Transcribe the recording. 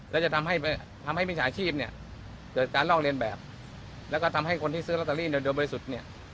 และจะทำให้มิจฉาชีพเนี่ยเกิดการลอกเรียนแบบแล้วก็ทำให้คนที่ซื้อลอตเตอรี่โดยบริสุทธิ์เนี่ย